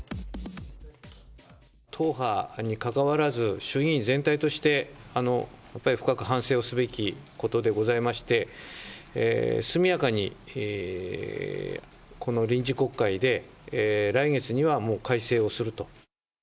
党派にかかわらず、衆議院全体として深く反省すべきことでございまして、速やかにこの臨時国会で、来月にはもう改正をすると。